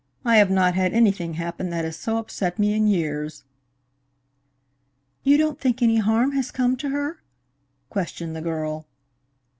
I have not had anything happen that has so upset me in years." "You don't think any harm has come to her?" questioned the girl.